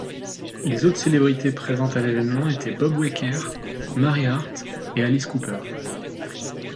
Les autres célébrités présentes à l'événement étaient Bob Uecker, Mary Hart et Alice Cooper.